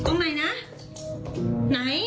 ฮะตรงไหนนะไหนไม่มี